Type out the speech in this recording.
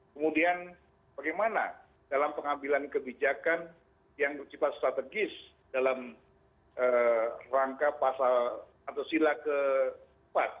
kemudian bagaimana dalam pengambilan kebijakan yang bersifat strategis dalam rangka pasal atau sila keempat